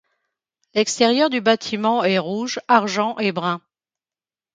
L'extérieur du bâtiment est rouge, argent et brun.